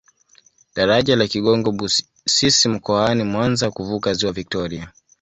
Daraja la Kigongo Busisi mkoani mwanza kuvuka ziwa viktoria